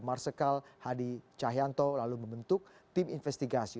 marsikal hadi cahyanto lalu membentuk tim investigasi